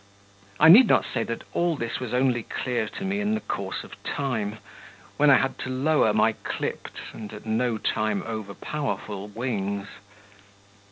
I need not say that all this was only clear to me in the course of time, when I had to lower my clipped and at no time over powerful wings.